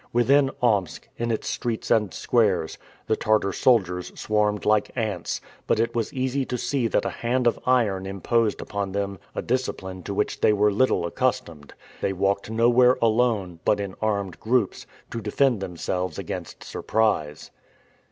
Within Omsk, in its streets and squares, the Tartar soldiers swarmed like ants; but it was easy to see that a hand of iron imposed upon them a discipline to which they were little accustomed. They walked nowhere alone, but in armed groups, to defend themselves against surprise.